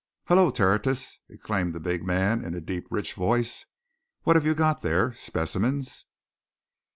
"Hullo, Tertius!" exclaimed the big man, in a deep, rich voice. "What have you got there? Specimens?"